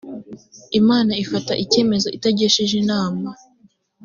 imana ifata ikemezo itagishije inama.